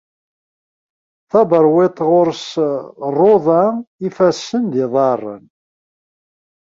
Taberwiḍt ɣur-s rruda, ifassen d yiḍaren